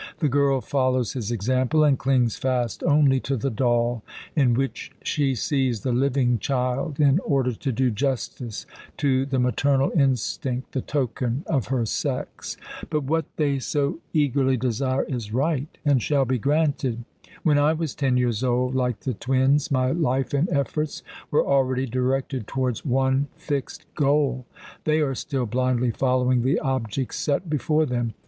The girl follows his example, and clings fast only to the doll in which she sees the living child, in order to do justice to the maternal instinct, the token of her sex. But what they so eagerly desire is right, and shall be granted. When I was ten years old, like the twins, my life and efforts were already directed towards one fixed goal. They are still blindly following the objects set before them.